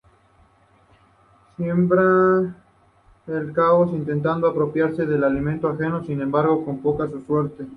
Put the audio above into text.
Siembra el caos intentando apropiarse del alimento ajeno, sin embargo, con poca suerte.